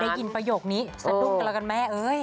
ได้ยินประโยคนี้สะดุ้งกันแล้วกันแม่เอ้ย